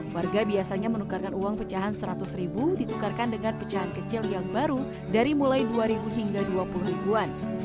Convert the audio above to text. warga biasanya menukarkan uang pecahan seratus ribu ditukarkan dengan pecahan kecil yang baru dari mulai dua ribu hingga dua puluh ribuan